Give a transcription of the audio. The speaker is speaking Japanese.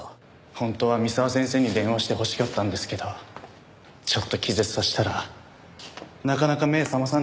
本当は三沢先生に電話してほしかったんですけどちょっと気絶させたらなかなか目覚まさないんですよ。